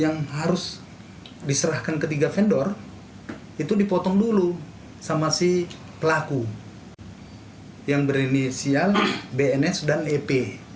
yang harus diserahkan ketiga vendor itu dipotong dulu sama si pelaku yang berinisial bns dan ep